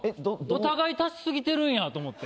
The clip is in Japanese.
お互い足し過ぎてるんやと思って。